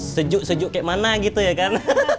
sejuk sejuk kayak mana gitu ya kan